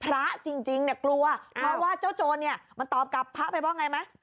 ภรราจริงกลัวว่าเจ้าโจรมันตอบกับพระไบ้บ้างไงไหม